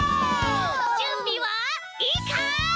じゅんびはいいかい？